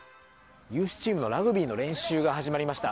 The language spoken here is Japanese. ユースチームのラグビーの練習が始まりました。